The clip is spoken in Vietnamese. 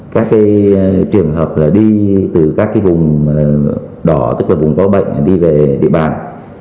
các cái trường hợp là đi từ các cái vùng đỏ tức là vùng có bệnh đi về địa bàn